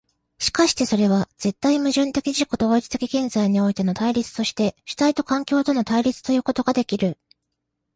しかしてそれは絶対矛盾的自己同一的現在においての対立として主体と環境との対立ということができる。